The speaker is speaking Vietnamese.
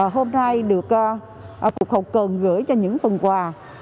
hôm nay được cục hậu cần gửi cho những phần quà